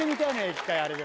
一回あれが。